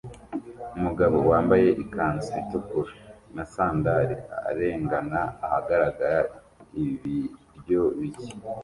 Umugabo wambaye ikanzu itukura na sandali arengana ahagarara ibiryo bike